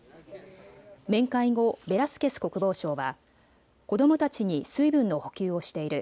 面会後、ベラスケス国防相は子どもたちに水分の補給をしている。